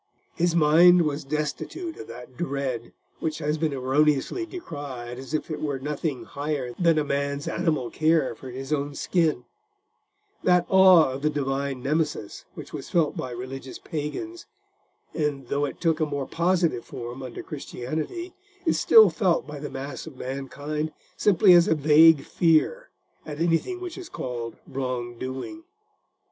His mind was destitute of that dread which has been erroneously decried as if it were nothing higher than a man's animal care for his own skin: that awe of the Divine Nemesis which was felt by religious pagans, and, though it took a more positive form under Christianity, is still felt by the mass of mankind simply as a vague fear at anything which is called wrong doing.